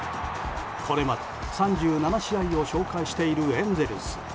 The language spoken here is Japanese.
これまで３７試合を消化しているエンゼルス。